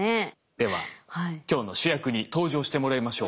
では今日の主役に登場してもらいましょう。